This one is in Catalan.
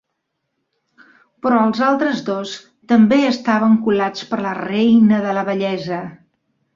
Però els altres dos també estaven colats per la reina de la bellesa.